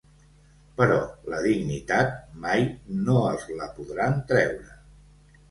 Però la dignitat mai no els la podran treure.